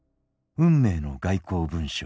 運命の外交文書。